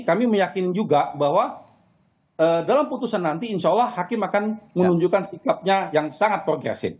kami meyakin juga bahwa dalam putusan nanti insya allah hakim akan menunjukkan sikapnya yang sangat progresif